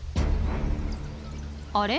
あれ？